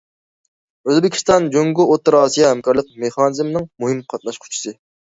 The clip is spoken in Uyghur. ئۆزبېكىستان جۇڭگو- ئوتتۇرا ئاسىيا ھەمكارلىق مېخانىزمىنىڭ مۇھىم قاتناشقۇچىسى.